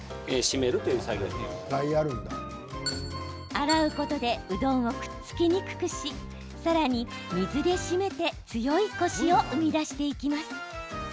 洗うことでうどんをくっつきにくくしさらに水でしめて強いコシを生み出していきます。